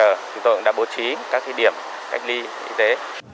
chúng tôi cũng đã bố trí các điểm cách ly y tế